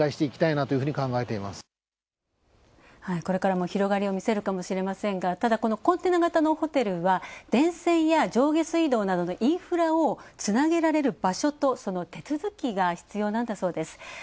これからも広がりを見せるかもしれませんがただ、コンテナ型のホテルは電線や上下水道などのインフラをつなげられる場所とその手続きが必要なんだそうです。